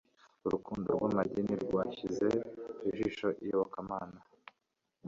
Urukundo rwamadini rwashyize ijisho Iyobokamana